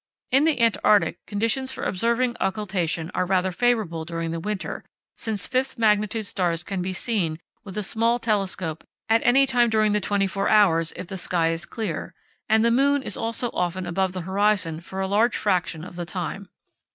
In the Antarctic, conditions for observing occultation are rather favourable during the winter, since, fifth magnitude stars can be seen with a small telescope at any time during the twenty four hours if the sky is clear, and the moon is also often above the horizon for a large fraction of the time.